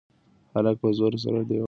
هلک په زور سره د دېوال بېخ ته ولوېد.